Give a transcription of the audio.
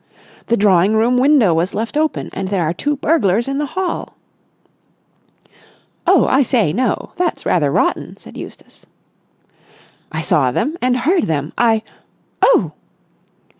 "The drawing room window was left open, and there are two burglars in the hall!" "Oh, I say, no! That's rather rotten!" said Eustace. "I saw them and heard them! I—oh!"